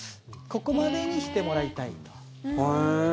ここまでにしてもらいたいと。